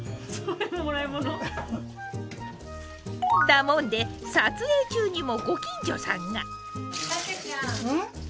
だもんで撮影中にもご近所さんが！